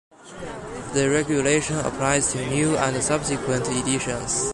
The regulation applies to new and subsequent editions.